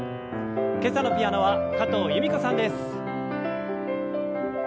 今朝のピアノは加藤由美子さんです。